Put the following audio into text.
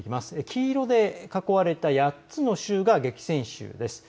黄色で囲われた８つの州が激戦州です。